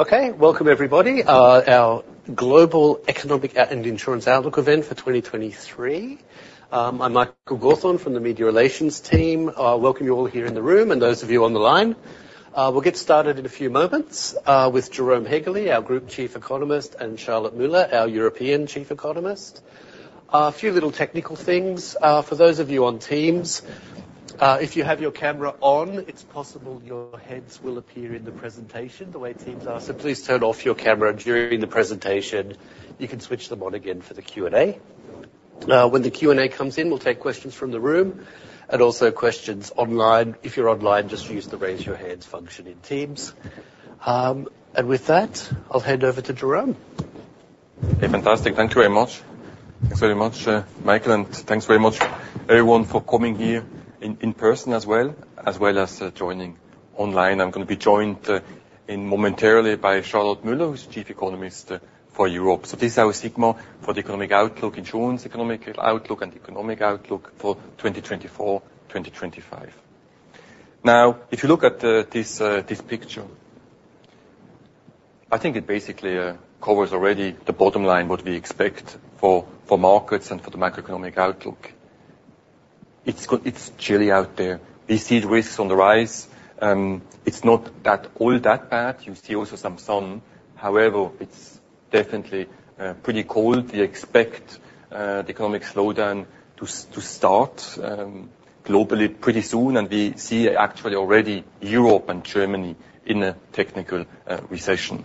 Okay, welcome everybody. Our global economic out and insurance outlook event for 2023. I'm Michael Gawthorne from the media relations team. Welcome you all here in the room and those of you on the line. We'll get started in a few moments with Jérôme Haegeli, our Group Chief Economist, and Charlotte Mueller, our European Chief Economist. A few little technical things. For those of you on Teams, if you have your camera on, it's possible your heads will appear in the presentation, the way Teams are. So please turn off your camera during the presentation. You can switch them on again for the Q&A. When the Q&A comes in, we'll take questions from the room, and also questions online. If you're online, just use the Raise Your Hands function in Teams. And with that, I'll hand over to Jérôme. Hey, fantastic. Thank you very much. Thanks very much, Michael, and thanks very much everyone for coming here in person as well as joining online. I'm gonna be joined in momentarily by Charlotte Mueller, who's Chief Economist for Europe. So this is our sigma for the economic outlook, insurance economic outlook, and economic outlook for 2024, 2025. Now, if you look at this picture, I think it basically covers already the bottom line, what we expect for markets and for the macroeconomic outlook. It's chilly out there. We see the risks on the rise. It's not all that bad. You see also some sun. However, it's definitely pretty cold. We expect the economic slowdown to start globally pretty soon, and we see actually already Europe and Germany in a technical recession.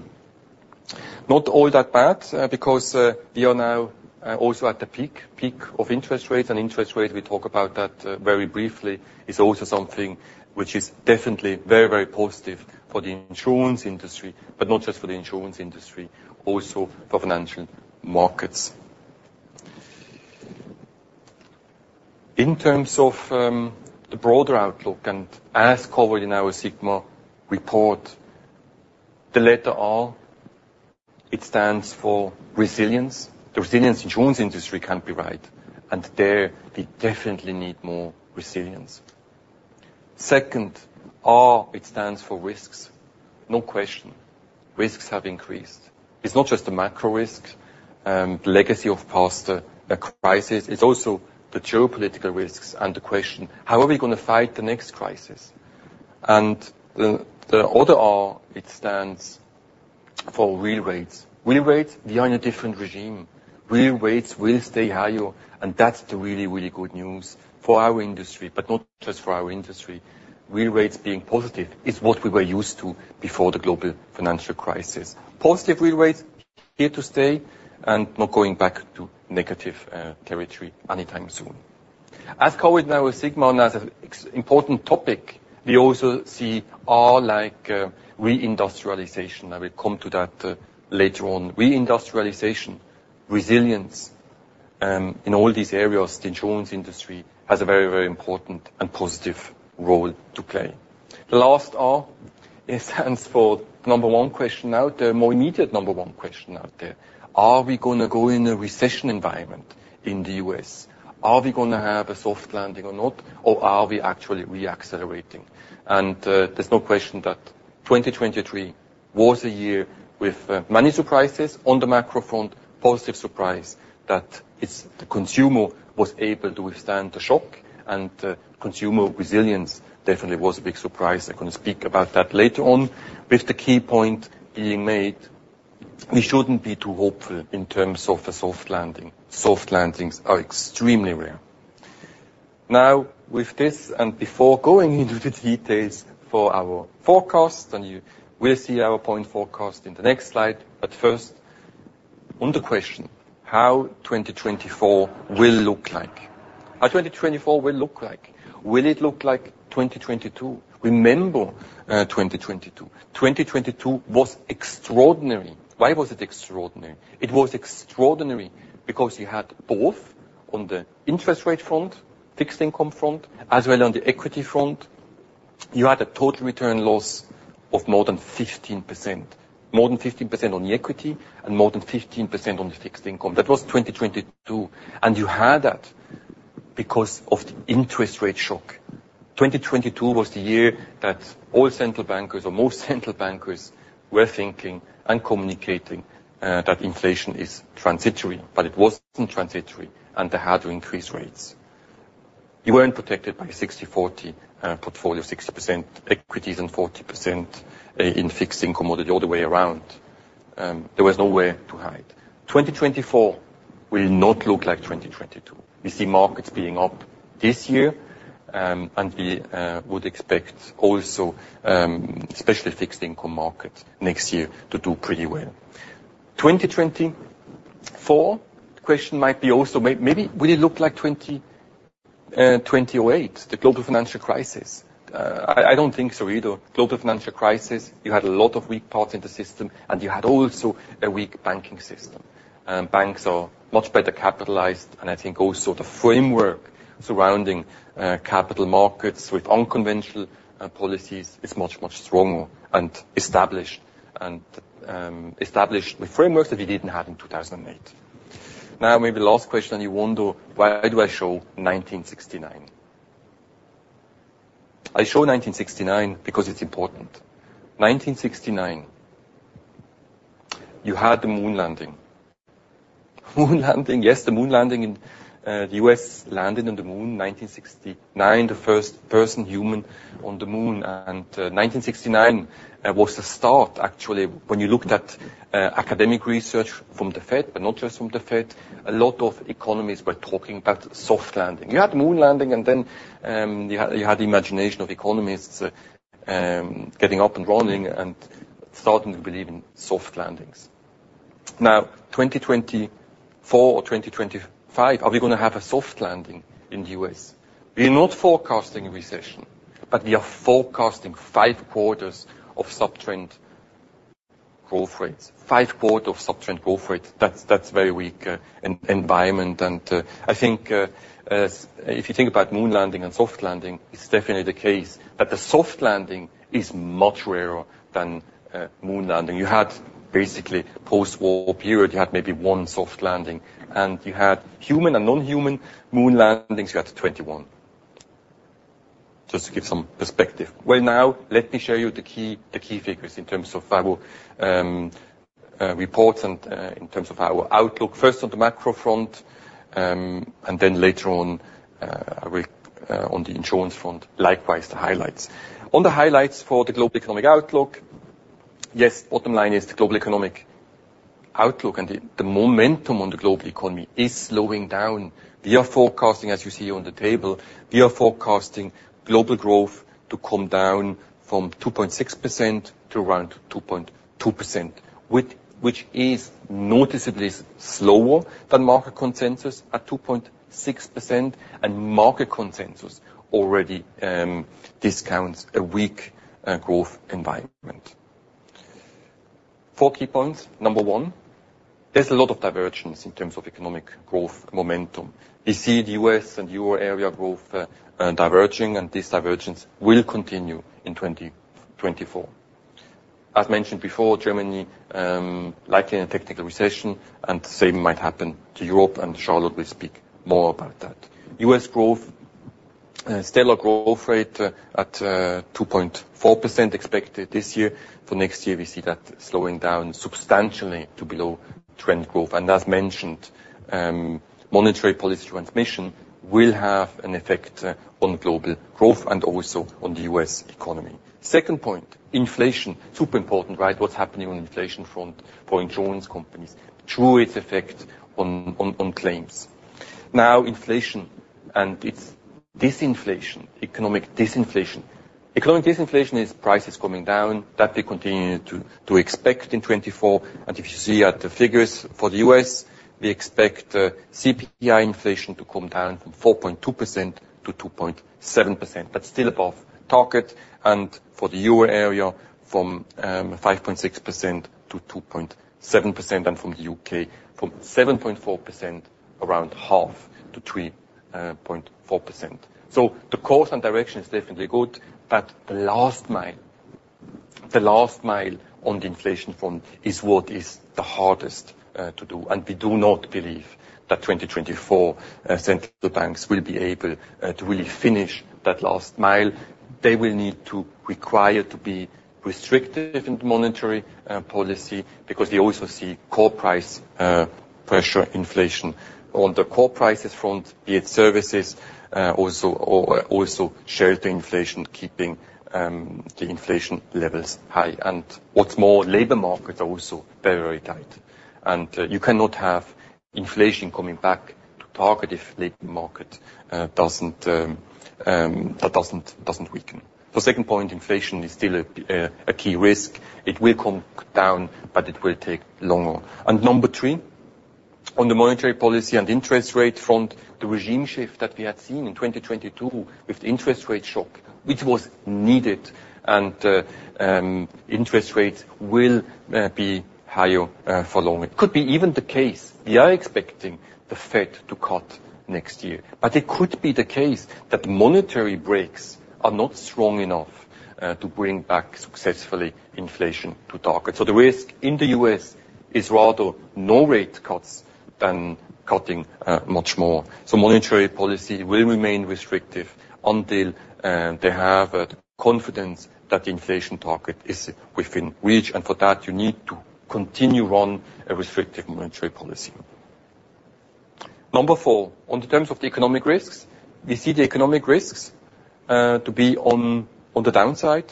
Not all that bad, because we are now also at the peak, peak of interest rates. And interest rates, we talk about that very briefly, is also something which is definitely very, very positive for the insurance industry, but not just for the insurance industry, also for financial markets. In terms of the broader outlook, and as covered in our sigma report, the letter R, it stands for resilience. The resilience insurance industry can't be right, and there we definitely need more resilience. Second, R, it stands for risks. No question, risks have increased. It's not just the macro risks, legacy of past crisis, it's also the geopolitical risks and the question: how are we gonna fight the next crisis? And the other R, it stands for real rates. Real rates, we are in a different regime. Real rates will stay higher, and that's the really, really good news for our industry, but not just for our industry. Real rates being positive is what we were used to before the global financial crisis. Positive real rates, here to stay and not going back to negative territory anytime soon. As covered in our sigma, as an extremely important topic, we also see R like reindustrialization. I will come to that later on. Reindustrialization, resilience, in all these areas, the insurance industry has a very, very important and positive role to play. The last R, it stands for number one question out there, more immediate number one question out there: are we gonna go in a recession environment in the U.S.? Are we gonna have a soft landing or not, or are we actually re-accelerating? And there's no question that 2023 was a year with many surprises on the macro front, positive surprise, that it's the consumer was able to withstand the shock, and consumer resilience definitely was a big surprise. I'm gonna speak about that later on. With the key point being made, we shouldn't be too hopeful in terms of a soft landing. Soft landings are extremely rare. Now, with this, and before going into the details for our forecast, and we'll see our point forecast in the next slide. But first, on the question, how 2024 will look like? How 2024 will look like? Will it look like 2022? Remember, 2022. 2022 was extraordinary. Why was it extraordinary? It was extraordinary because you had both on the interest rate front, fixed income front, as well on the equity front. You had a total return loss of more than 15%. More than 15% on the equity and more than 15% on the fixed income. That was 2022, and you had that because of the interest rate shock. 2022 was the year that all central bankers, or most central bankers, were thinking and communicating, that inflation is transitory, but it wasn't transitory, and they had to increase rates. You weren't protected by a 60/40 portfolio, 60% equities and 40% in fixed income or the other way around. There was nowhere to hide. 2024 will not look like 2022. We see markets being up this year, and we would expect also, especially fixed income markets next year to do pretty well. 2024, the question might be also, maybe will it look like 2008, the global financial crisis? I don't think so either. Global financial crisis, you had a lot of weak parts in the system, and you had also a weak banking system. Banks are much better capitalized, and I think also the framework surrounding capital markets with unconventional policies is much, much stronger and established, and established the frameworks that we didn't have in 2008. Now, maybe the last question you wonder, why do I show 1969?... I show 1969 because it's important. 1969, you had the moon landing. Moon landing, yes, the moon landing in, U.S. landed on the moon, 1969, the first person, human on the moon. 1969 was the start, actually, when you looked at academic research from the Fed, but not just from the Fed, a lot of economies were talking about soft landing. You had the moon landing, and then, you had, you had the imagination of economists getting up and running and starting to believe in soft landings. Now, 2024 or 2025, are we gonna have a soft landing in the U.S.? We are not forecasting a recession, but we are forecasting five quarters of subtrend growth rates. Five quarters of subtrend growth rates, that's very weak environment. And, I think, if you think about moon landing and soft landing, it's definitely the case that the soft landing is much rarer than moon landing. You had basically post-war period, you had maybe one soft landing, and you had human and non-human moon landings, you had 21. Just to give some perspective. Well, now, let me show you the key, the key figures in terms of our reports and in terms of our outlook, first on the macro front, and then later on, I will on the insurance front, likewise, the highlights. On the highlights for the global economic outlook, yes, bottom line is the global economic outlook and the, the momentum on the global economy is slowing down. We are forecasting, as you see on the table, we are forecasting global growth to come down from 2.6% to around 2.2%. Which is noticeably slower than market consensus at 2.6%, and market consensus already discounts a weak growth environment. Four key points: number one, there's a lot of divergence in terms of economic growth momentum. We see the U.S. and euro area growth diverging, and this divergence will continue in 2024. As mentioned before, Germany likely in a technical recession, and the same might happen to Europe, and Charlotte will speak more about that. U.S. growth stellar growth rate at 2.4% expected this year. For next year, we see that slowing down substantially to below trend growth. As mentioned, monetary policy transmission will have an effect on global growth and also on the U.S. economy. Second point, inflation. Super important, right? What's happening on inflation front for insurance companies through its effect on claims. Now, inflation and its disinflation, economic disinflation. Economic disinflation is prices coming down. That we continue to expect in 2024. And if you see at the figures for the U.S., we expect CPI inflation to come down from 4.2%-2.7%, but still above target. And for the euro area, from 5.6%-2.7%, and from the U.K., from 7.4%, around half to 3.4%. So the course and direction is definitely good, but the last mile, the last mile on the inflation front is what is the hardest to do. And we do not believe that 2024 central banks will be able to really finish that last mile. They will need to require to be restrictive in monetary policy, because we also see core price pressure inflation. On the core prices front, be it services also, or also shelter inflation, keeping the inflation levels high. And what's more, labor markets are also very, very tight. And you cannot have inflation coming back to target if labor market doesn't weaken. The second point, inflation is still a key risk. It will come down, but it will take longer. And number three, on the monetary policy and interest rate front, the regime shift that we had seen in 2022 with the interest rate shock, which was needed, and interest rates will be higher for longer. Could be even the case, we are expecting the Fed to cut next year. But it could be the case that monetary brakes are not strong enough to bring back successfully inflation to target. So the risk in the U.S. is rather no rate cuts than cutting much more. So monetary policy will remain restrictive until they have the confidence that the inflation target is within reach, and for that, you need to continue on a restrictive monetary policy. Number four, on the terms of the economic risks, we see the economic risks to be on the downside.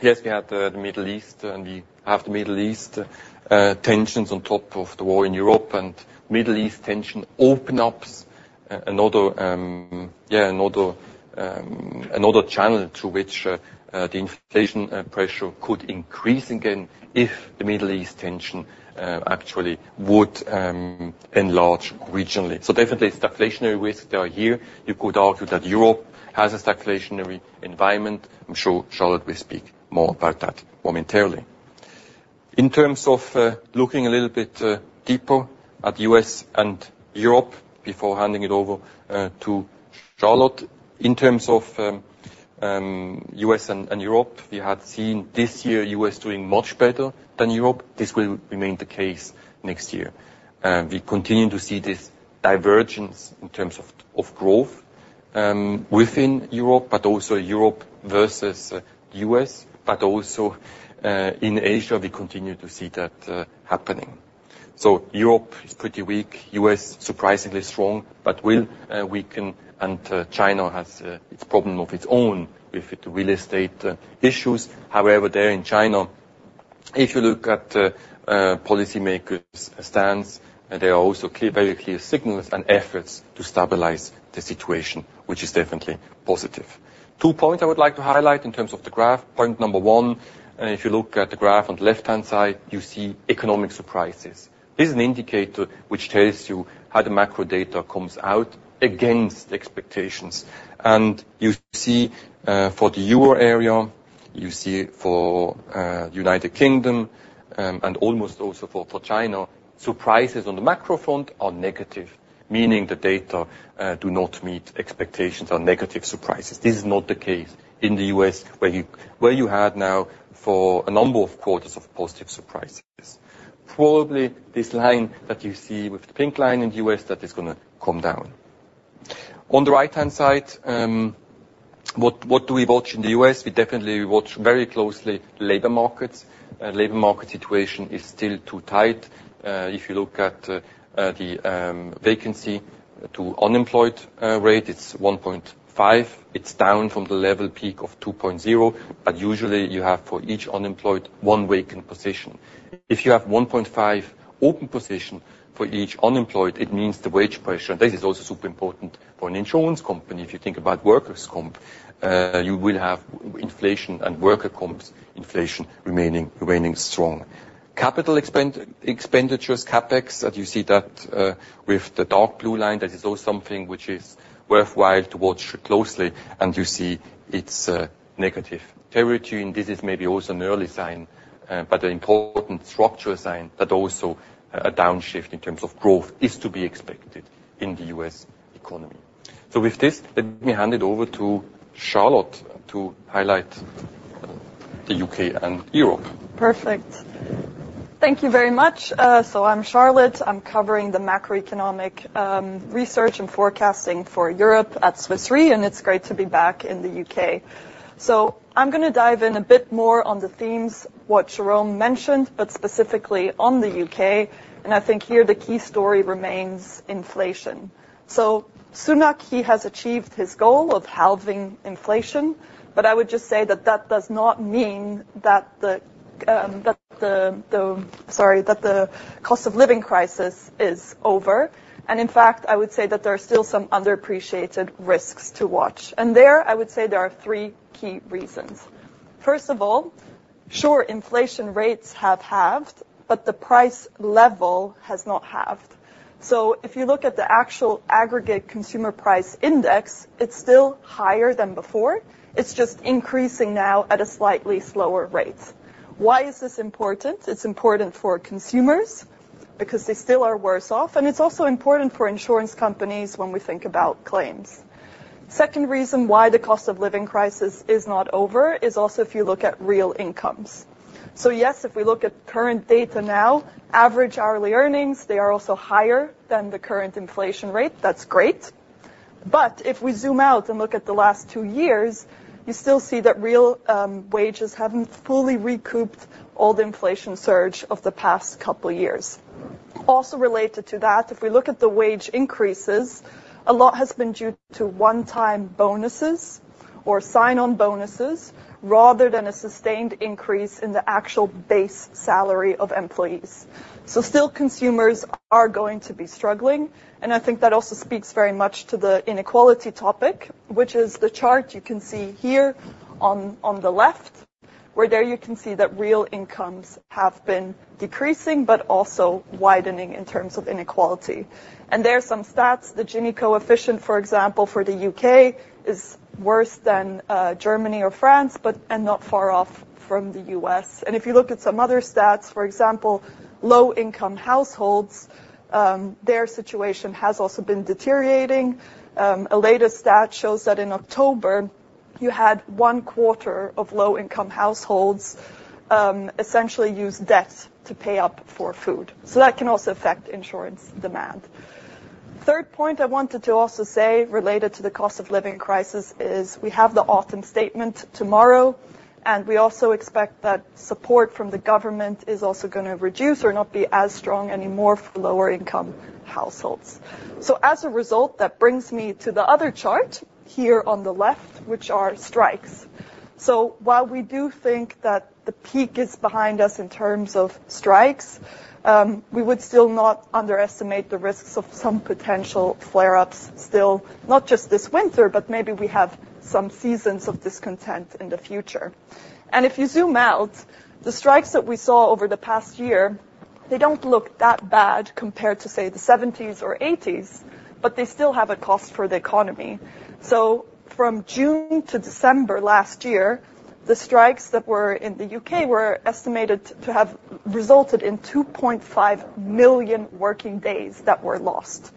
Yes, we had the Middle East, and we have the Middle East tensions on top of the war in Europe. And Middle East tension opens up another channel to which the inflation pressure could increase again if the Middle East tension actually would enlarge regionally. So definitely, stagflationary risks are here. You could argue that Europe has a stagflationary environment. I'm sure Charlotte will speak more about that momentarily. In terms of looking a little bit deeper at U.S. and Europe before handing it over to Charlotte. In terms of U.S. and Europe, we had seen this year, U.S. doing much better than Europe. This will remain the case next year. We continue to see this divergence in terms of growth.... Within Europe, but also Europe versus U.S., but also in Asia, we continue to see that happening. So Europe is pretty weak, U.S. surprisingly strong, but will weaken, and China has its problem of its own with its real estate issues. However, there in China, if you look at policymakers' stance, there are also clear, very clear signals and efforts to stabilize the situation, which is definitely positive. Two points I would like to highlight in terms of the graph. Point number one, if you look at the graph on the left-hand side, you see economic surprises. This is an indicator which tells you how the macro data comes out against expectations. You see, for the Euro area, you see for United Kingdom, and almost also for China, surprises on the macro front are negative, meaning the data do not meet expectations or negative surprises. This is not the case in the U.S., where you had now for a number of quarters of positive surprises. Probably this line that you see with the pink line in the U.S., that is going to come down. On the right-hand side, what do we watch in the U.S.? We definitely watch very closely labor markets. Labor market situation is still too tight. If you look at the vacancy to unemployed rate, it's 1.5. It's down from the level peak of 2.0, but usually you have for each unemployed, one vacant position. If you have 1.5 open positions for each unemployed, it means the wage pressure. This is also super important for an insurance company. If you think about workers' comp, you will have inflation and workers' comp inflation remaining, remaining strong. Capital expenditures, CapEx, that you see that, with the dark blue line, that is also something which is worthwhile to watch closely, and you see it's, negative territory, and this is maybe also an early sign, but an important structural sign that also a downshift in terms of growth is to be expected in the U.S. economy. So with this, let me hand it over to Charlotte to highlight the U.K. and Europe. Perfect. Thank you very much. So I'm Charlotte. I'm covering the macroeconomic research and forecasting for Europe at Swiss Re, and it's great to be back in the U.K. So I'm gonna dive in a bit more on the themes, what Jérôme mentioned, but specifically on the U.K., and I think here the key story remains inflation. So Sunak, he has achieved his goal of halving inflation, but I would just say that that does not mean that the cost of living crisis is over. And in fact, I would say that there are still some underappreciated risks to watch. And there, I would say there are three key reasons. First of all, sure, inflation rates have halved, but the price level has not halved. So if you look at the actual aggregate consumer price index, it's still higher than before. It's just increasing now at a slightly slower rate. Why is this important? It's important for consumers because they still are worse off, and it's also important for insurance companies when we think about claims. Second reason why the cost of living crisis is not over is also if you look at real incomes. So yes, if we look at current data now, average hourly earnings, they are also higher than the current inflation rate. That's great. But if we zoom out and look at the last two years, you still see that real wages haven't fully recouped all the inflation surge of the past couple of years. Also related to that, if we look at the wage increases, a lot has been due to one-time bonuses or sign-on bonuses, rather than a sustained increase in the actual base salary of employees. So still, consumers are going to be struggling, and I think that also speaks very much to the inequality topic, which is the chart you can see here on the left, where there you can see that real incomes have been decreasing, but also widening in terms of inequality. And there are some stats. The Gini coefficient, for example, for the U.K., is worse than Germany or France, but and not far off from the U.S. And if you look at some other stats, for example, low-income households their situation has also been deteriorating. A latest stat shows that in October, you had 1/4 of low-income households essentially use debt to pay up for food. So that can also affect insurance demand. Third point I wanted to also say, related to the cost of living crisis, is we have the Autumn Statement tomorrow, and we also expect that support from the government is also gonna reduce or not be as strong anymore for lower-income households. So as a result, that brings me to the other chart here on the left, which are strikes. So while we do think that the peak is behind us in terms of strikes, we would still not underestimate the risks of some potential flare-ups still, not just this winter, but maybe we have some seasons of discontent in the future. And if you zoom out, the strikes that we saw over the past year, they don't look that bad compared to, say, the seventies or eighties, but they still have a cost for the economy. So from June to December last year, the strikes that were in the U.K. were estimated to have resulted in 2.5 million working days that were lost,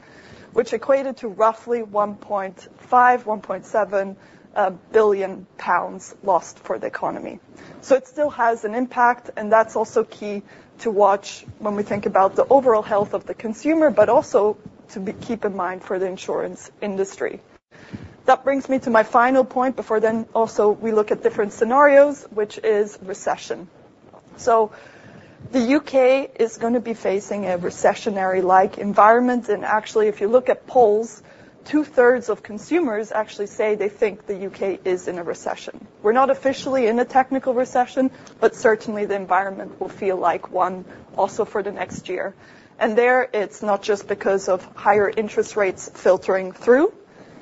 which equated to roughly 1.5-1.7 billion pounds lost for the economy. So it still has an impact, and that's also key to watch when we think about the overall health of the consumer, but also keep in mind for the insurance industry. That brings me to my final point before then also we look at different scenarios, which is recession. So the U.K. is going to be facing a recessionary-like environment, and actually, if you look at polls, two-thirds of consumers actually say they think the U.K. is in a recession. We're not officially in a technical recession, but certainly, the environment will feel like one also for the next year. There, it's not just because of higher interest rates filtering through.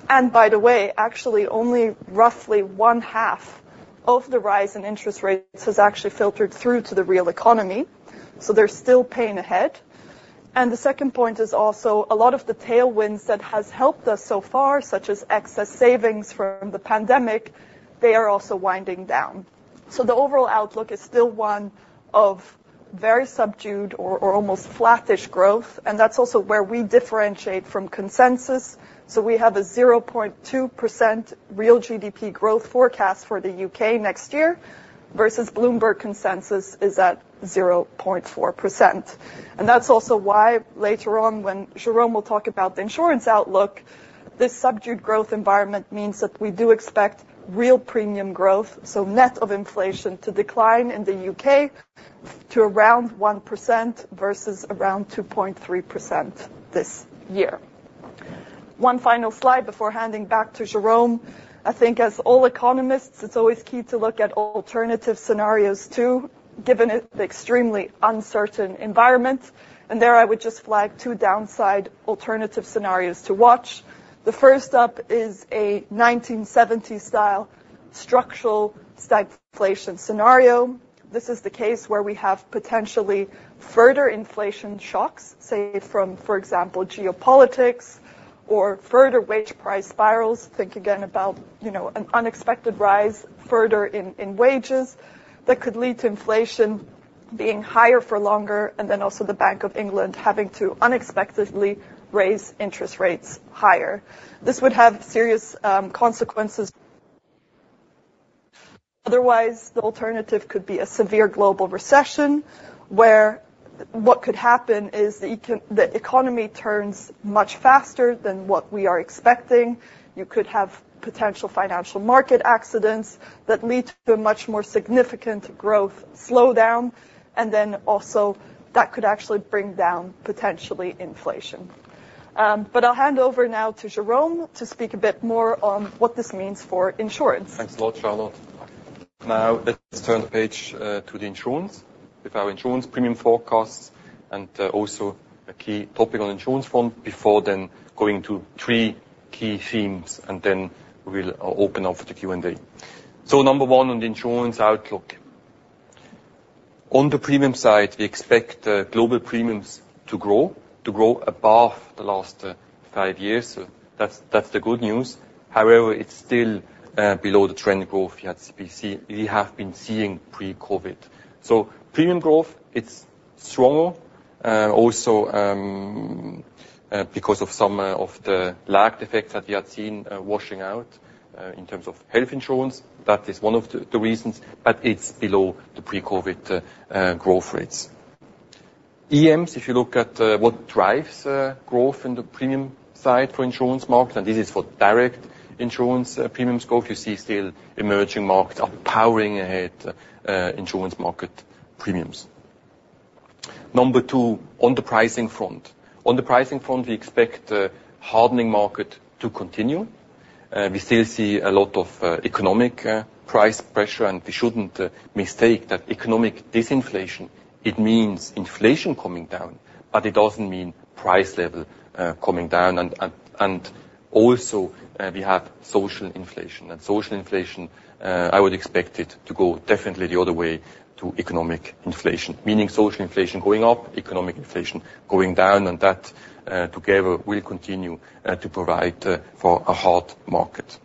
By the way, actually, only roughly one-half of the rise in interest rates has actually filtered through to the real economy, so there's still pain ahead. The second point is also a lot of the tailwinds that has helped us so far, such as excess savings from the pandemic, they are also winding down. So the overall outlook is still one of very subdued or almost flattish growth, and that's also where we differentiate from consensus. So we have a 0.2% real GDP growth forecast for the U.K. next year, versus Bloomberg consensus is at 0.4%. And that's also why, later on, when Jérôme will talk about the insurance outlook, this subdued growth environment means that we do expect real premium growth, so net of inflation, to decline in the U.K. to around 1% versus around 2.3% this year. One final slide before handing back to Jérôme. I think as all economists, it's always key to look at alternative scenarios, too, given it, the extremely uncertain environment. And there, I would just flag two downside alternative scenarios to watch. The first up is a 1970-style structural stagflation scenario. This is the case where we have potentially further inflation shocks, say, from, for example, geopolitics or further wage price spirals. Think again about, you know, an unexpected rise further in, in wages that could lead to inflation being higher for longer, and then also the Bank of England having to unexpectedly raise interest rates higher. This would have serious consequences. Otherwise, the alternative could be a severe global recession, where what could happen is the economy turns much faster than what we are expecting. You could have potential financial market accidents that lead to a much more significant growth slowdown, and then also that could actually bring down, potentially, inflation. But I'll hand over now to Jerome to speak a bit more on what this means for insurance. Thanks a lot, Charlotte. Now, let's turn the page to the insurance, with our insurance premium forecasts and also a key topic on insurance front, before then going to three key themes, and then we'll open up for the Q&A. So number one, on the insurance outlook. On the premium side, we expect global premiums to grow above the last five years. So that's the good news. However, it's still below the trend growth we have been seeing pre-COVID. So premium growth, it's stronger also because of some of the lagged effects that we had seen washing out in terms of health insurance. That is one of the reasons, but it's below the pre-COVID growth rates. EMs, if you look at what drives growth in the premium side for insurance markets, and this is for direct insurance premium scope, you see still emerging markets are powering ahead insurance market premiums. Number two, on the pricing front. On the pricing front, we expect a hardening market to continue. We still see a lot of economic price pressure, and we shouldn't mistake that economic disinflation; it means inflation coming down, but it doesn't mean price level coming down. And also, we have social inflation. And social inflation, I would expect it to go definitely the other way to economic inflation. Meaning social inflation going up, economic inflation going down, and that together will continue to provide for a hard market.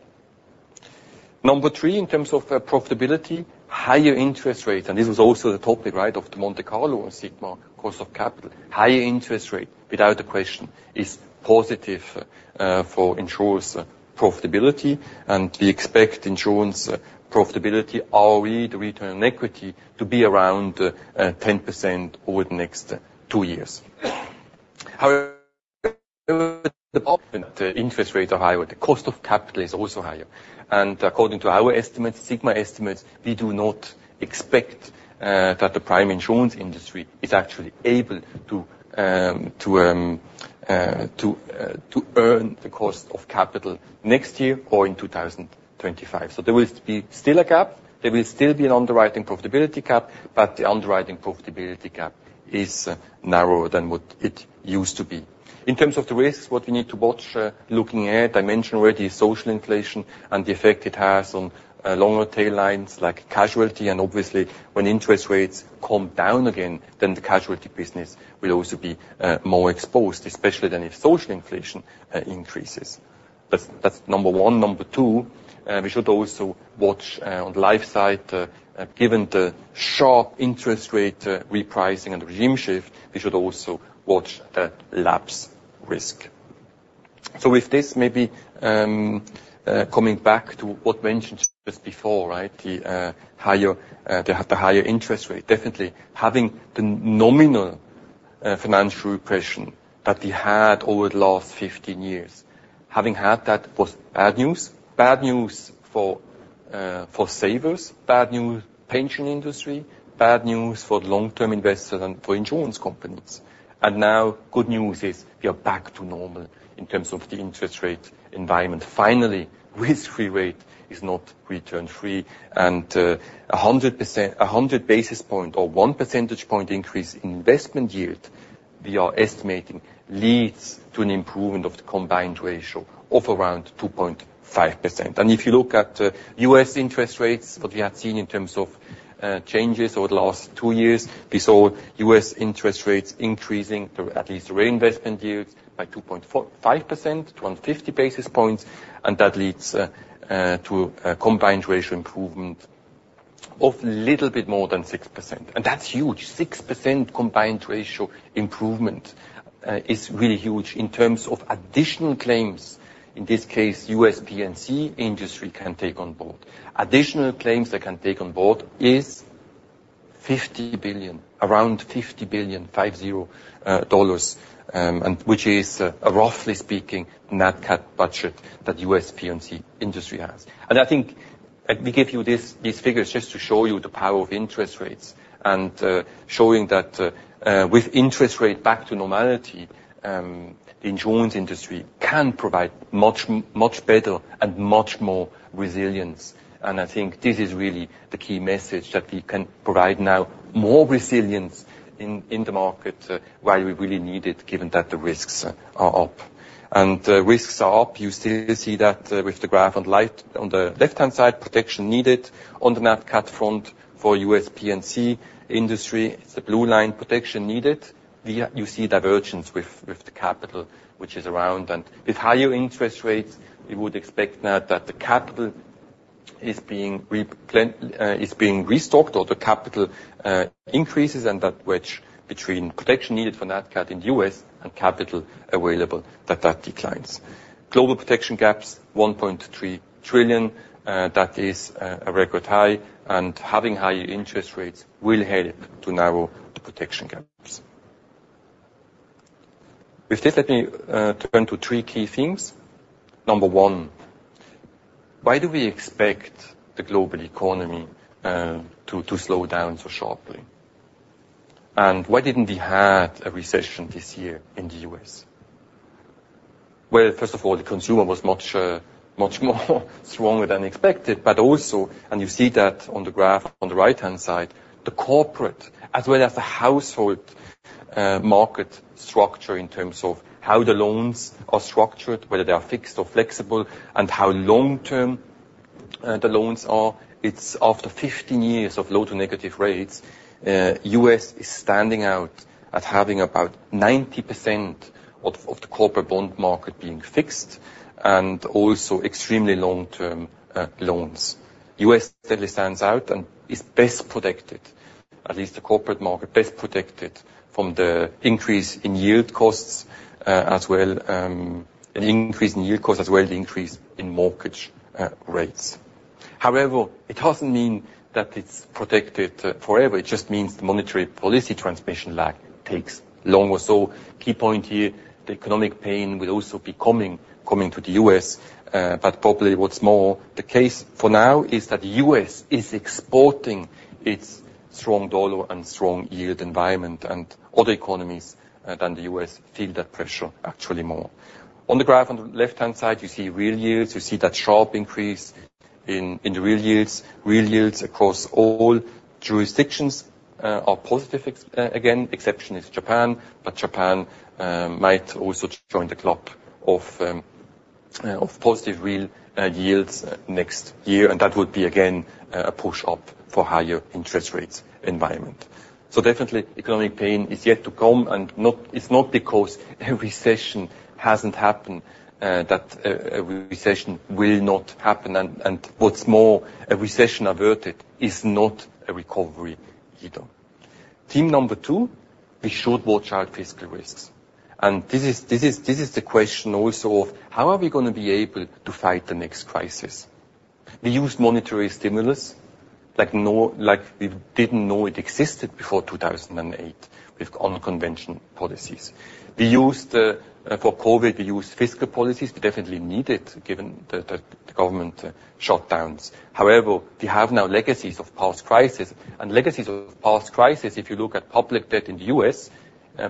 Number three, in terms of profitability, higher interest rates, and this was also the topic, right, of the Monte Carlo or sigma cost of capital. Higher interest rate, without a question, is positive for insurers' profitability, and we expect insurance profitability, ROE, the return on equity, to be around 10% over the next two years. However, the interest rates are higher, the cost of capital is also higher. And according to our estimates, sigma estimates, we do not expect that the prime insurance industry is actually able to earn the cost of capital next year or in 2025. So there will be still a gap, there will still be an underwriting profitability gap, but the underwriting profitability gap is narrower than what it used to be. In terms of the risks, what we need to watch, looking at, I mentioned already, social inflation and the effect it has on longer tail lines, like casualty. And obviously, when interest rates calm down again, then the casualty business will also be more exposed, especially than if social inflation increases. That's number one. Number two, we should also watch on the life side, given the sharp interest rate repricing and regime shift, we should also watch the lapse risk. So with this, maybe coming back to what mentioned just before, right? The higher interest rate definitely having the nominal... Financial repression that we had over the last 15 years. Having had that was bad news, bad news for savers, bad news pension industry, bad news for long-term investors and for insurance companies. And now good news is we are back to normal in terms of the interest rate environment. Finally, risk-free rate is not return free, and a 100%-- 100 basis point or 1% point increase in investment yield, we are estimating leads to an improvement of the Combined Ratio of around 2.5%. And if you look at U.S. interest rates, what we have seen in terms of changes over the last two years, we saw U.S. interest rates increasing through at least reinvestment yields by 2.4-5% to 150 basis points, and that leads to a Combined Ratio improvement of a little bit more than 6%. And that's huge. 6% Combined Ratio improvement is really huge in terms of additional claims, in this case, U.S. P&C industry can take on board. Additional claims they can take on board is $50 billion, around $50 billion, 50 dollars, and which is, roughly speaking, Nat Cat budget that U.S. P&C industry has. I think we give you this, these figures just to show you the power of interest rates, and showing that, with interest rate back to normality, insurance industry can provide much, much better and much more resilience. I think this is really the key message, that we can provide now more resilience in the market while we really need it, given that the risks are up. Risks are up, you still see that with the graph on the left-hand side, protection needed on the Nat Cat front for U.S. P&C industry. It's the blue line protection needed. You see divergence with, with the capital, which is around. And with higher interest rates, we would expect now that the capital is being restocked, or the capital increases, and that which between protection needed for Nat Cat in the U.S. and capital available, that that declines. Global protection gaps, $1.3 trillion, that is, a record high, and having higher interest rates will help to narrow the protection gaps. With this, let me turn to three key themes. Number one, why do we expect the global economy to slow down so sharply? Why didn't we have a recession this year in the U.S.? Well, first of all, the consumer was much, much more stronger than expected, but also, and you see that on the graph on the right-hand side, the corporate as well as the household, market structure in terms of how the loans are structured, whether they are fixed or flexible, and how long-term, the loans are. It's after 15 years of low to negative rates, U.S. is standing out at having about 90% of the corporate bond market being fixed and also extremely long-term, loans. U.S. certainly stands out and is best protected, at least the corporate market, best protected from the increase in yield costs, as well, an increase in yield costs, as well as the increase in mortgage, rates. However, it doesn't mean that it's protected forever. It just means the monetary policy transmission lag takes longer. So key point here, the economic pain will also be coming to the U.S., but probably what's more the case for now is that the U.S. is exporting its strong dollar and strong yield environment, and other economies than the U.S. feel that pressure actually more. On the graph on the left-hand side, you see real yields. You see that sharp increase in the real yields. Real yields across all jurisdictions are positive except, again, exception is Japan, but Japan might also join the club of positive real yields next year, and that would be, again, a push-up for higher interest rates environment. So definitely, economic pain is yet to come, and it's not because a recession hasn't happened that a recession will not happen. What's more, a recession averted is not a recovery either. Theme number two, we should watch out fiscal risks. And this is the question also of how are we going to be able to fight the next crisis? We used monetary stimulus like we didn't know it existed before 2008 with unconventional policies. We used, for COVID, we used fiscal policies. We definitely needed it, given the government shutdowns. However, we have now legacies of past crisis. And legacies of past crisis, if you look at public debt in the U.S.,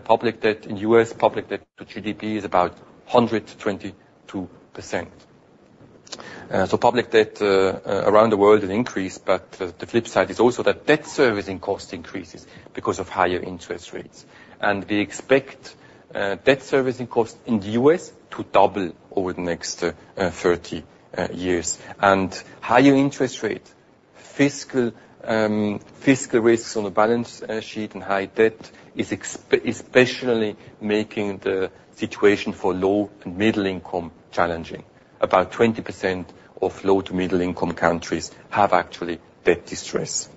public debt to GDP is about 122%. So public debt around the world has increased, but the flip side is also that debt servicing cost increases because of higher interest rates. We expect debt servicing costs in the U.S. to double over the next 30 years. Higher interest rate, fiscal risks on the balance sheet and high debt is especially making the situation for low and middle income challenging. About 20% of low to middle income countries have actually debt distress.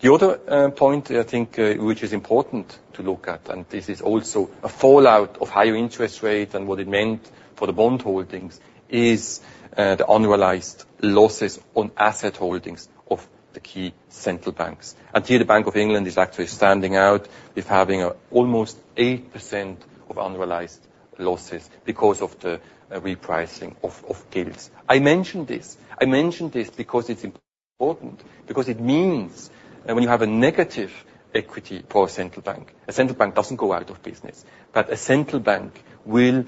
The other point I think which is important to look at, and this is also a fallout of higher interest rate and what it meant for the bond holdings, is the unrealized losses on asset holdings of the key central banks. Here, the Bank of England is actually standing out with having almost 8% of unrealized losses because of the repricing of gilts. I mentioned this because it's important, because it means that when you have a negative equity for a central bank, a central bank doesn't go out of business, but a central bank will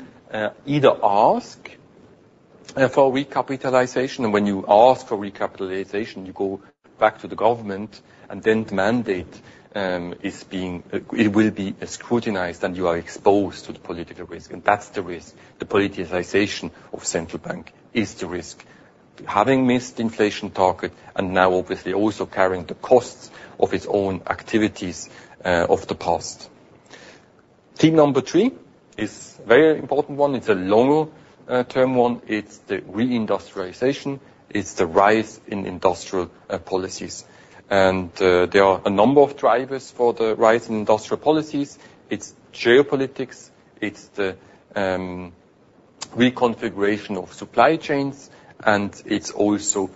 either ask for recapitalization, and when you ask for recapitalization, you go back to the government, and then the mandate is being it will be scrutinized, and you are exposed to the political risk. And that's the risk. The politicization of central bank is the risk. Having missed inflation target and now obviously also carrying the costs of its own activities of the past. Theme number three is very important one. It's a longer term one. It's the reindustrialization. It's the rise in industrial policies. And there are a number of drivers for the rise in industrial policies. It's geopolitics, it's the reconfiguration of supply chains, and it's also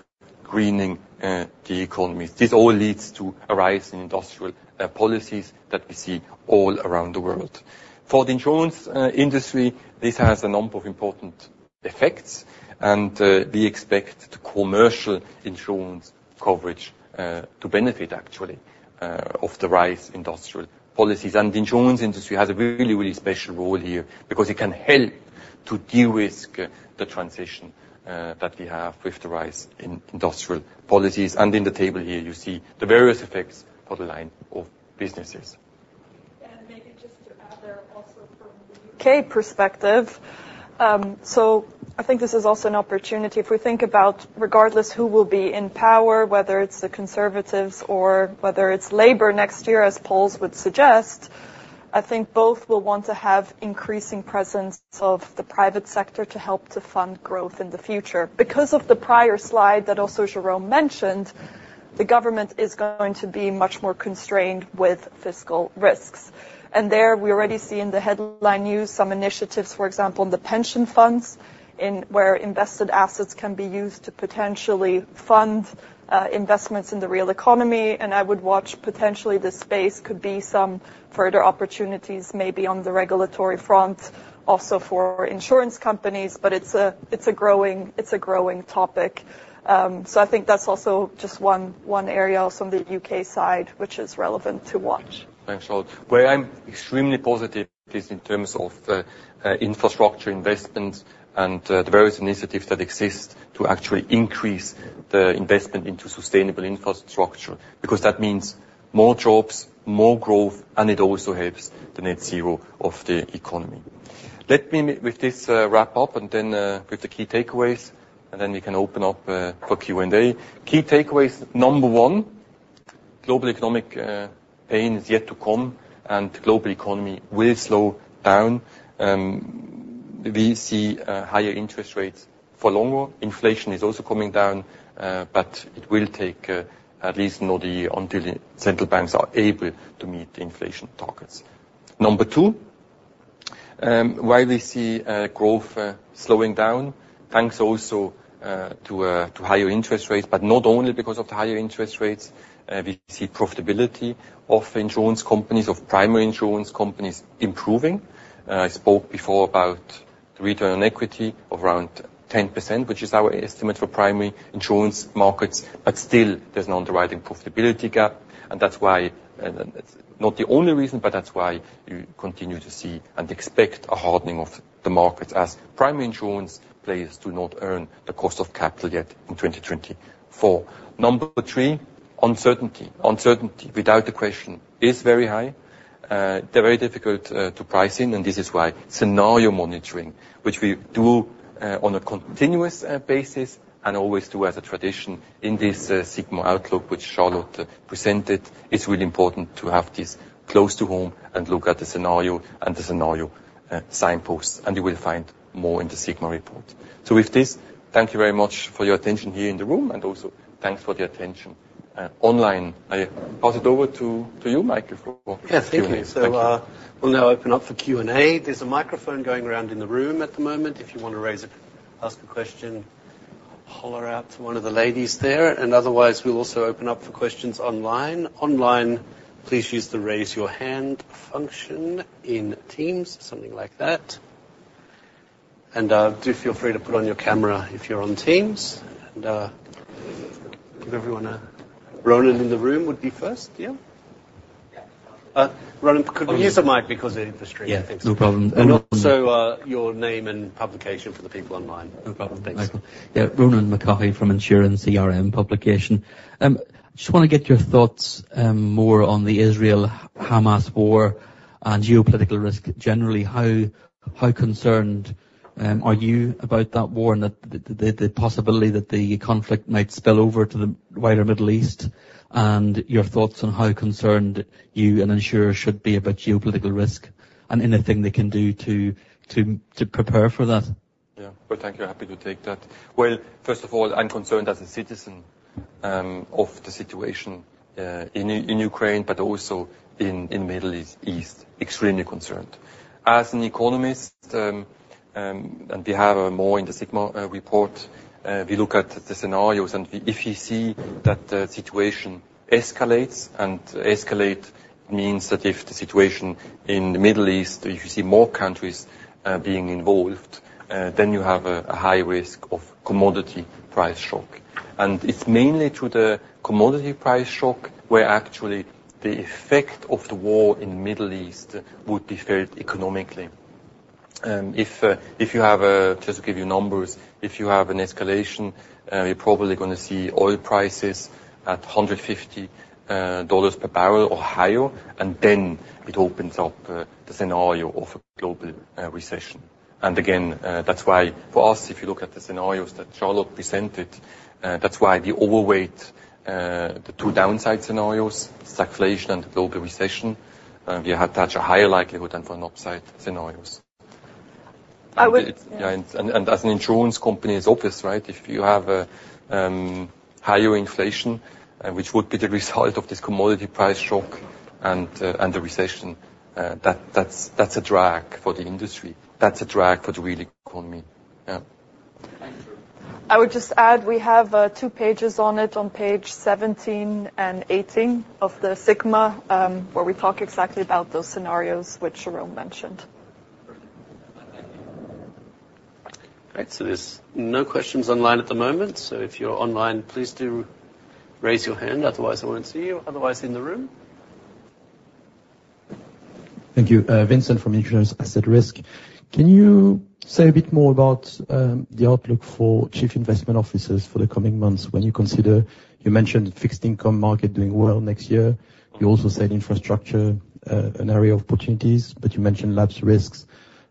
greening the economy. This all leads to a rise in industrial policies that we see all around the world. For the insurance industry, this has a number of important effects, and we expect the commercial insurance coverage to benefit actually of the rise industrial policies. And the insurance industry has a really, really special role here because it can help to de-risk the transition that we have with the rise in industrial policies. And in the table here, you see the various effects for the line of businesses. And maybe just to add there also from the U.K. perspective. So I think this is also an opportunity. If we think about regardless who will be in power, whether it's the Conservatives or whether it's Labour next year, as polls would suggest, I think both will want to have increasing presence of the private sector to help to fund growth in the future. Because of the prior slide that also Jérôme mentioned, the government is going to be much more constrained with fiscal risks. And there, we already see in the headline news some initiatives, for example, in the pension funds, in where invested assets can be used to potentially fund investments in the real economy. And I would watch potentially, this space could be some further opportunities, maybe on the regulatory front, also for insurance companies, but it's a, it's a growing, it's a growing topic. So, I think that's also just one area also on the U.K. side, which is relevant to watch. Thanks, Charlotte. Where I'm extremely positive is in terms of the infrastructure investments and the various initiatives that exist to actually increase the investment into sustainable infrastructure, because that means more jobs, more growth, and it also helps the net zero of the economy. Let me with this wrap up and then with the key takeaways, and then we can open up for Q&A. Key takeaways, number one, global economic pain is yet to come, and global economy will slow down. We see higher interest rates for longer. Inflation is also coming down, but it will take at least another year until the central banks are able to meet the inflation targets. Number two, while we see growth slowing down, thanks also to higher interest rates, but not only because of the higher interest rates, we see profitability of insurance companies, of primary insurance companies improving. I spoke before about the return on equity of around 10%, which is our estimate for primary insurance markets, but still there's an underwriting profitability gap. And that's why, not the only reason, but that's why you continue to see and expect a hardening of the markets as primary insurance players do not earn the cost of capital yet in 2024. Number three, uncertainty. Uncertainty, without the question, is very high, they're very difficult to price in, and this is why scenario monitoring, which we do, on a continuous basis and always do as a tradition in this sigma outlook, which Charlotte presented, it's really important to have this close to home and look at the scenario and the scenario signposts, and you will find more in the sigma report. So with this, thank you very much for your attention here in the room, and also thanks for the attention online. I pass it over to, to you, Mike, for- Yes, thank you. Thank you. So, we'll now open up for Q&A. There's a microphone going around in the room at the moment. If you want to raise it, ask a question, holler out to one of the ladies there, and otherwise we'll also open up for questions online. Online, please use the raise your hand function in Teams, something like that. And, do feel free to put on your camera if you're on Teams. And, give everyone a... Ronan in the room would be first, yeah? Yeah. Ronan, could we use a mic because of the stream? Yeah, no problem. Also, your name and publication for the people online. No problem. Thanks. Yeah. Ronan McCaughey from InsuranceERM Publication. Just want to get your thoughts more on the Israel-Hamas war and geopolitical risk. Generally, how concerned are you about that war and the possibility that the conflict might spill over to the wider Middle East? And your thoughts on how concerned you and insurer should be about geopolitical risk and anything they can do to prepare for that?... Yeah. Well, thank you. Happy to take that. Well, first of all, I'm concerned as a citizen of the situation in Ukraine, but also in the Middle East. Extremely concerned. As an economist, and we have more in the sigma report, we look at the scenarios, and if we see that the situation escalates, and escalate means that if the situation in the Middle East, if you see more countries being involved, then you have a high risk of commodity price shock. And it's mainly through the commodity price shock, where actually the effect of the war in the Middle East would be felt economically. If you have a... Just to give you numbers, if you have an escalation, you're probably gonna see oil prices at $150 per barrel or higher, and then it opens up the scenario of a global recession. And again, that's why for us, if you look at the scenarios that Charlotte presented, that's why we overweight the two downside scenarios, stagflation and global recession. We attach a higher likelihood than for an upside scenarios. I would- Yeah, and as an insurance company, it's obvious, right? If you have a higher inflation, which would be the result of this commodity price shock and the recession, that's a drag for the industry. That's a drag for the real economy. Yeah. I would just add, we have two pages on it, on page 17 and 18 of the sigma, where we talk exactly about those scenarios which Jérôme mentioned. Perfect. Thank you. All right, so there's no questions online at the moment. So if you're online, please do raise your hand. Otherwise, I won't see you. Otherwise, in the room? Thank you. Vincent from Insurance Asset Risk. Can you say a bit more about, the outlook for chief investment officers for the coming months, when you consider-- you mentioned fixed income market doing well next year. You also said infrastructure, an area of opportunities, but you mentioned lapse risks.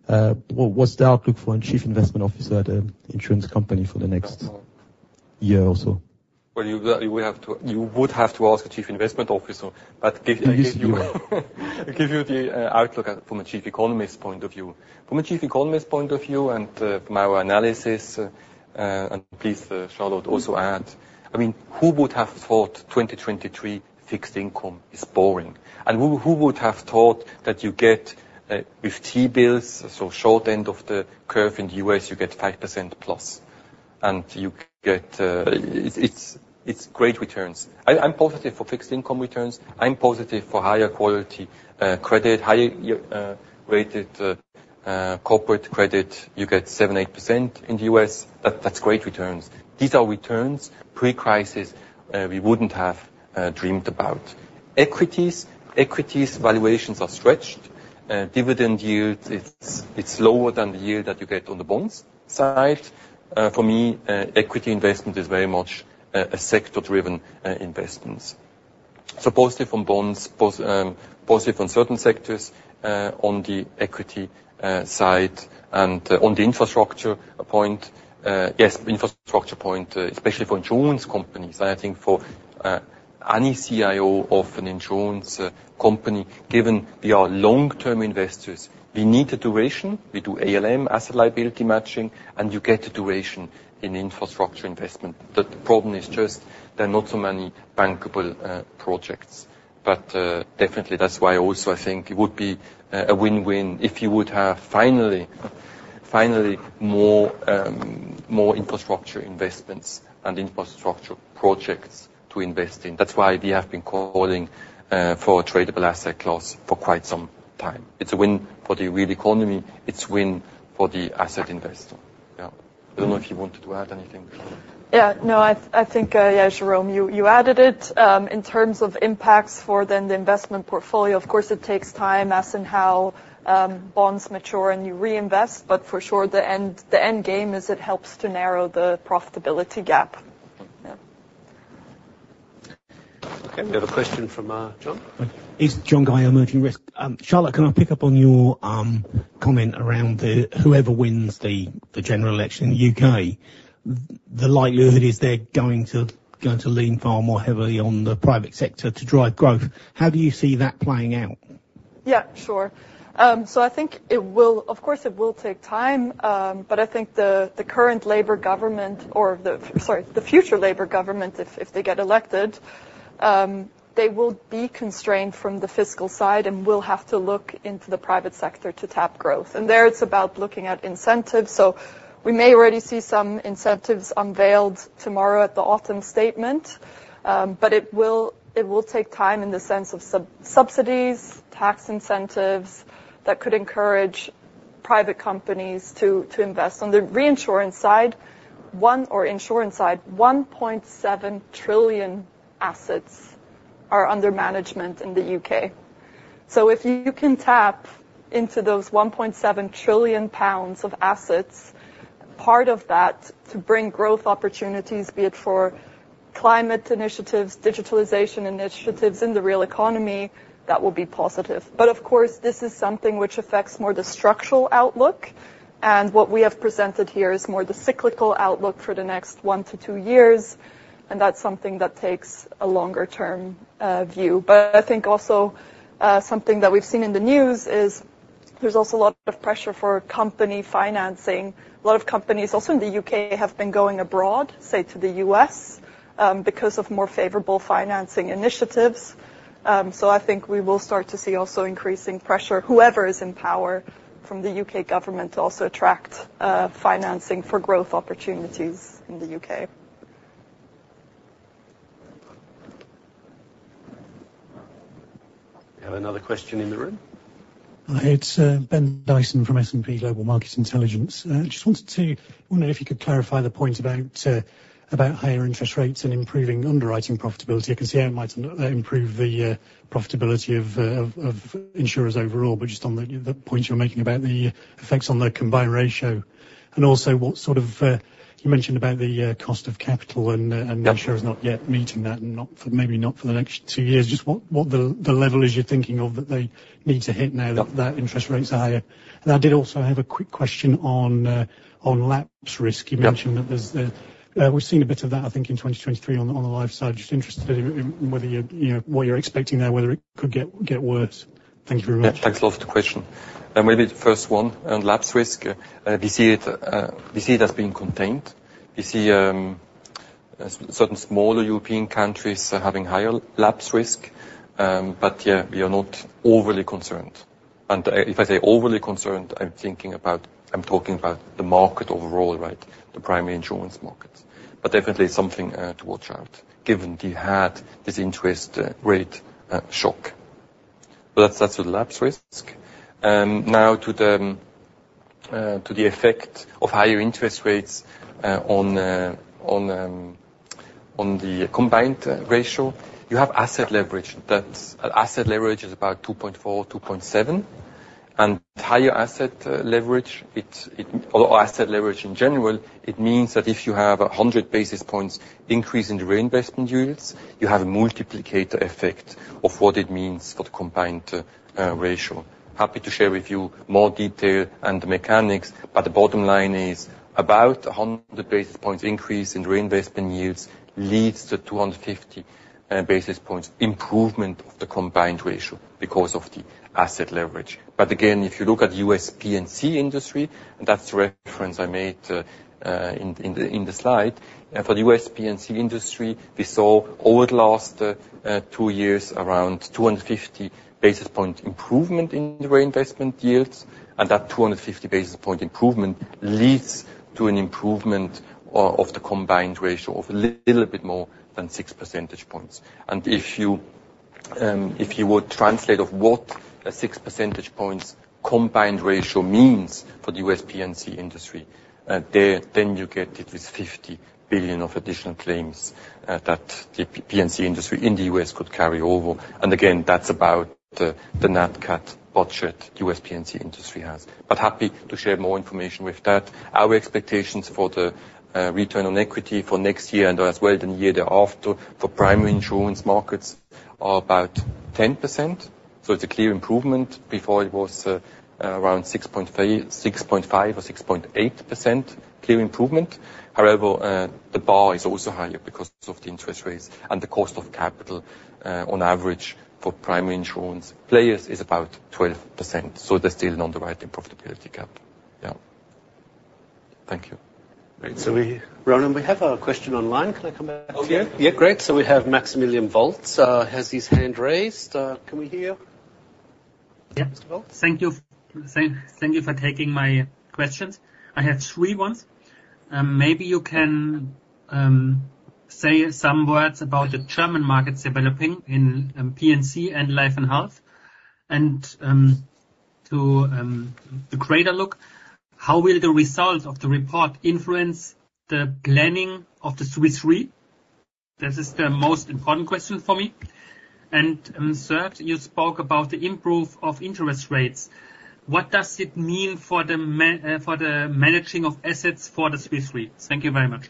What, what's the outlook for a chief investment officer at an insurance company for the next year or so? Well, you would have to ask a chief investment officer. But give you the outlook from a chief economist's point of view. From a chief economist point of view and from our analysis, and please, Charlotte, also add, I mean, who would have thought 2023 fixed income is boring? And who would have thought that you get with T-bills, so short end of the curve in the U.S., you get 5%+, and you get... It's great returns. I'm positive for fixed income returns, I'm positive for higher quality credit, higher rated corporate credit. You get 7%-8% in the U.S. That's great returns. These are returns pre-crisis we wouldn't have dreamed about. Equities valuations are stretched. Dividend yields, it's lower than the yield that you get on the bonds side. For me, equity investment is very much a sector-driven investments. So positive on bonds, positive on certain sectors on the equity side and on the infrastructure point. Yes, infrastructure point, especially for insurance companies. I think for any CIO of an insurance company, given we are long-term investors, we need a duration, we do ALM, asset liability matching, and you get a duration in infrastructure investment. The problem is just there are not so many bankable projects. But definitely, that's why also I think it would be a win-win if you would have finally more infrastructure investments and infrastructure projects to invest in. That's why we have been calling for a tradable asset class for quite some time. It's a win for the real economy. It's win for the asset investor. Yeah. I don't know if you wanted to add anything. Yeah. No, I think, yeah, Jérôme, you added it. In terms of impacts for then the investment portfolio, of course, it takes time as in how bonds mature and you reinvest, but for sure, the end game is it helps to narrow the profitability gap. Yeah. Okay, we have a question from John. It's John Guy, Emerging Risk. Charlotte, can I pick up on your comment around the, whoever wins the general election in the U.K., the likelihood is they're going to lean far more heavily on the private sector to drive growth. How do you see that playing out? Yeah, sure. So I think it will... Of course, it will take time, but I think the current Labor government, or sorry, the future Labor government, if they get elected, they will be constrained from the fiscal side and will have to look into the private sector to tap growth. And there, it's about looking at incentives. So we may already see some incentives unveiled tomorrow at the Autumn Statement, but it will take time in the sense of subsidies, tax incentives, that could encourage private companies to invest. On the reinsurance side, or insurance side, 1.7 trillion assets are under management in the U.K. So if you can tap into those 1.7 trillion pounds of assets, part of that, to bring growth opportunities, be it for climate initiatives, digitalization initiatives in the real economy, that will be positive. But of course, this is something which affects more the structural outlook, and what we have presented here is more the cyclical outlook for the next one-two years, and that's something that takes a longer term, view. But I think also, something that we've seen in the news is-... There's also a lot of pressure for company financing. A lot of companies, also in the U.K., have been going abroad, say, to the U.S., because of more favorable financing initiatives. I think we will start to see also increasing pressure, whoever is in power from the U.K. government, to also attract financing for growth opportunities in the U.K. We have another question in the room? Hi, it's Ben Dyson from S&P Global Market Intelligence. Just wanted to wonder if you could clarify the point about higher interest rates and improving underwriting profitability. I can see how it might improve the profitability of insurers overall, but just on the point you're making about the effects on the Combined Ratio. And also, what sort of you mentioned about the cost of capital, and- Yeah... and the insurers not yet meeting that, and not for, maybe not for the next two years. Just what the level is you're thinking of that they need to hit now- Yeah... that interest rates are higher? And I did also have a quick question on lapse risk. Yeah. You mentioned that there's the, we've seen a bit of that, I think, in 2023 on the, on the live side. Just interested in, in whether you're, you know, what you're expecting there, whether it could get, get worse. Thank you very much. Yeah, thanks a lot for the question. And maybe the first one, on lapse risk, we see it, we see it as being contained. We see, certain smaller European countries having higher lapse risk. But yeah, we are not overly concerned. And, if I say overly concerned, I'm thinking about—I'm talking about the market overall, right? The primary insurance markets. But definitely something, to watch out, given we had this interest rate, shock. But that's, that's a lapse risk. Now to the, to the effect of higher interest rates, on, on, on the Combined Ratio. You have asset leverage. That's. Asset leverage is about 2.4-2.7. Higher asset leverage, or asset leverage in general, it means that if you have a 100 basis points increase in the reinvestment yields, you have a multiplier effect of what it means for the combined ratio. Happy to share with you more detail and the mechanics, but the bottom line is, about a 100 basis points increase in reinvestment yields leads to 250 basis points improvement of the combined ratio because of the asset leverage. But again, if you look at U.S. P&C industry, and that's the reference I made in the slide. For the U.S. P&C industry, we saw over the last two years, around 250 basis points improvement in the reinvestment yields. And that 250 basis point improvement leads to an improvement of the combined ratio of a little bit more than 6% points. And if you, if you would translate of what a 6% points combined ratio means for the U.S. P&C industry, there, then you get it is $50 billion of additional claims, that the P&C industry in the U.S. could carry over. And again, that's about the, the Nat Cat budget U.S. P&C industry has. But happy to share more information with that. Our expectations for the, return on equity for next year, and as well the year thereafter, for primary insurance markets, are about 10%, so it's a clear improvement. Before, it was around 6.5% or 6.8%. Clear improvement. However, the bar is also higher because of the interest rates and the cost of capital, on average for primary insurance players is about 12%, so there's still an underwriting profitability gap. Yeah. Thank you. Great. So we, Ronan, we have a question online. Can I come back to you? Oh, yeah. Yeah, great. So we have Maximilian Vaultz has his hand raised. Can we hear you? Yep, Mr. Vaultz. Thank you. Thank you for taking my questions. I have three ones. Maybe you can say some words about the German markets developing in P&C and Life and Health. And to the greater look, how will the result of the report influence the planning of the Swiss Re? This is the most important question for me. And third, you spoke about the improve of interest rates. What does it mean for the managing of assets for the Swiss Re? Thank you very much.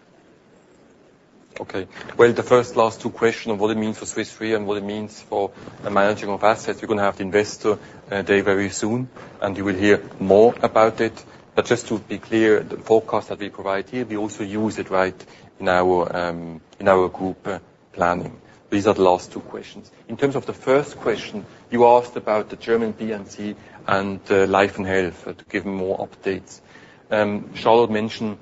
Okay. Well, the first last two question of what it means for Swiss Re and what it means for the managing of assets, we're gonna have to investors', Day very soon, and you will hear more about it. But just to be clear, the forecast that we provide here, we also use it right in our, in our group planning. These are the last two questions. In terms of the first question, you asked about the German P&C and, Life and Health, to give more updates. Charlotte mentioned,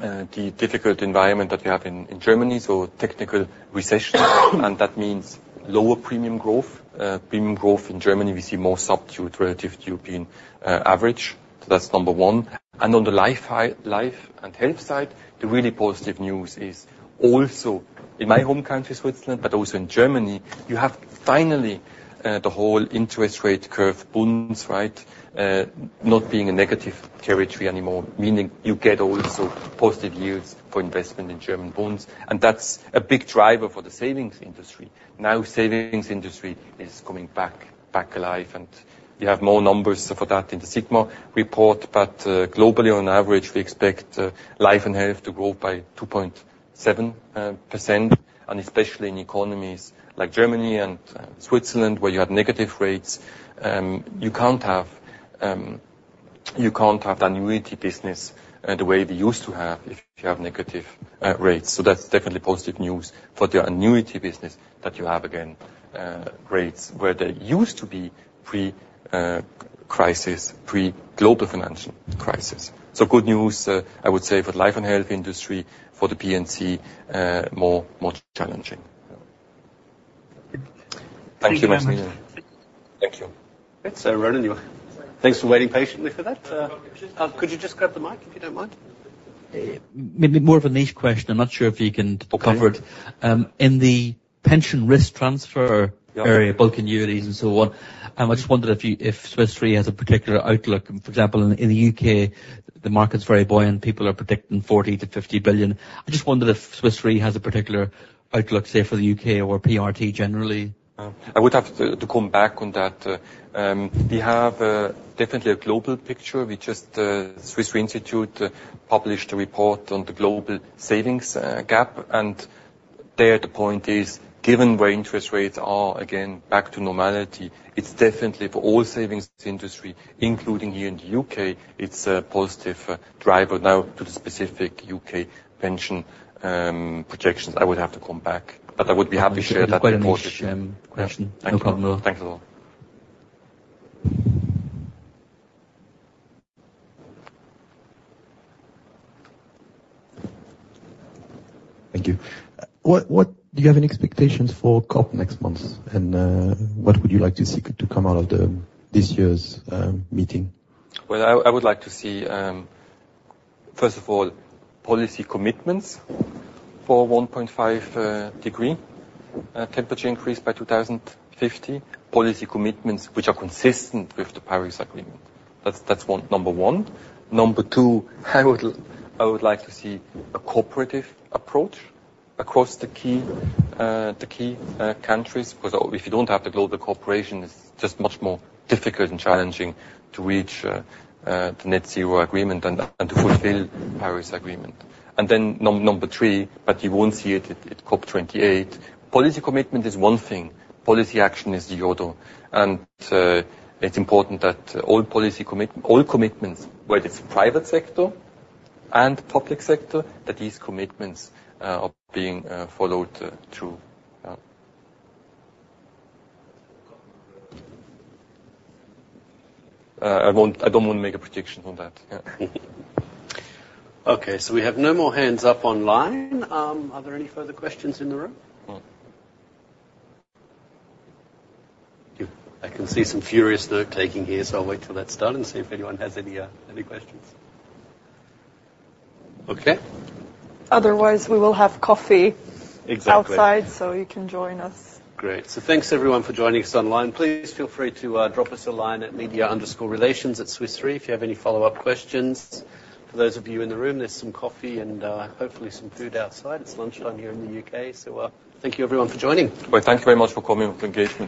the difficult environment that we have in, in Germany, so technical recession, and that means lower premium growth. Premium growth in Germany, we see more subdued relative to European, average. So that's number one. On the Life and Health side, the really positive news is also in my home country, Switzerland, but also in Germany. You have finally the whole interest rate curve, Bunds, right? Not being in negative territory anymore, meaning you get also positive yields for investment in German Bunds, and that's a big driver for the savings industry. Now, the savings industry is coming back alive, and you have more numbers for that in the sigma report. But globally, on average, we expect Life and Health to grow by 2.7%, and especially in economies like Germany and Switzerland, where you have negative rates. You can't have the annuity business the way we used to have if you have negative rates. So that's definitely positive news for the annuity business, that you have, again, rates where they used to be pre-crisis, pre-global financial crisis. So good news, I would say, for Life and Health industry. For the P&C, more challenging. Thank you very much. Thank you. So, Ronan, you-- thanks for waiting patiently for that. Could you just grab the mic, if you don't mind? Maybe more of a niche question. I'm not sure if you can cover it. Okay. In the Pension Risk Transfer- Yeah -area, bulk annuities, and so on, I just wondered if you if Swiss Re has a particular outlook. For example, in the U.K., the market's very buoyant. People are predicting 40 billion-50 billion. I just wondered if Swiss Re has a particular outlook, say, for the U.K. or PRT generally? I would have to come back on that. We have definitely a global picture. We just Swiss Re Institute published a report on the global savings gap, and there, the point is, given where interest rates are again, back to normality, it's definitely for all savings industry, including here in the U.K., it's a positive driver. Now, to the specific U.K, pension projections, I would have to come back, but I would be happy to share that report. Quite a niche, question. Thank you. No problem. Thanks a lot. Thank you. What... Do you have any expectations for COP next month? And, what would you like to see to come out of this year's meeting? Well, I would like to see, first of all, policy commitments for 1.5 degree temperature increase by 2050. Policy commitments which are consistent with the Paris Agreement. That's one- number one. Number two, I would like to see a cooperative approach across the key countries. Because if you don't have the global cooperation, it's just much more difficult and challenging to reach the net zero agreement and to fulfill the Paris Agreement. And then number three, but you won't see it at COP 28, policy commitment is one thing, policy action is the other. And it's important that all commitments, whether it's private sector and public sector, that these commitments are being followed through. Yeah. I don't want to make a prediction on that. Yeah. Okay, so we have no more hands up online. Are there any further questions in the room? Well. You... I can see some furious note-taking here, so I'll wait till that's done and see if anyone has any any questions. Okay. Otherwise, we will have coffee- Exactly outside, so you can join us. Great. So thanks, everyone, for joining us online. Please feel free to drop us a line at media_relations@swissre.com, if you have any follow-up questions. For those of you in the room, there's some coffee and hopefully some food outside. It's lunchtime here in the U.K. So, thank you, everyone, for joining. Well, thank you very much for coming and engaging.